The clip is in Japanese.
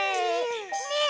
ねえ！